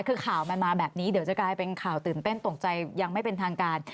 คือข่าวมันมาแบบนี้เดี๋ยวจะกลายเป็นข่าวตื่นเต้นตกใจยังไม่เป็นทางการ